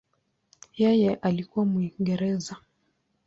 Yeye alikuwa Mwingereza.